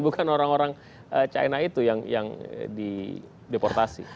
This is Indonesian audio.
bukan orang orang china itu yang dideportasi